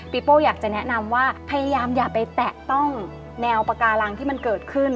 โป้อยากจะแนะนำว่าพยายามอย่าไปแตะต้องแนวปาการังที่มันเกิดขึ้น